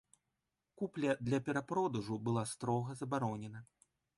Купля для перапродажу была строга забаронена.